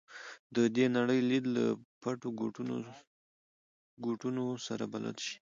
د دې نړۍ لید له پټو ګوټونو سره بلد شي.